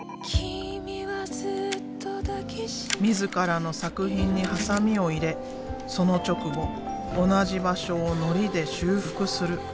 自らの作品にハサミを入れその直後同じ場所をのりで修復する。